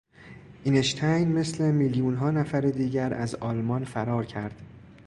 اینشتین مثل میلیونها نفر دیگر، از آلمان فرار کرد.